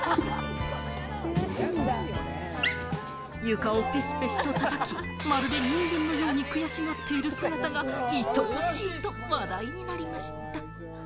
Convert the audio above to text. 床をぺしぺしと叩き、まるで人間のように悔しがっている姿がいとおしいと話題になりました。